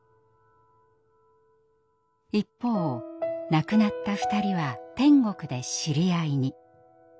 一方亡くなった２人は天国で知り合いに。